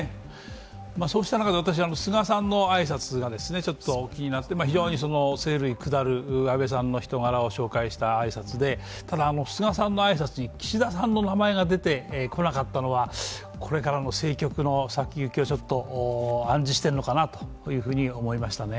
そうした中で、私は菅さんの挨拶がちょっと気になって、非常に声涙下る安倍さんの人柄を紹介した挨拶でただ、菅さんの挨拶に岸田さんの名前が出てこなかったのはこれからの政局の先行きをちょっと暗示しているのかなと思いましたね。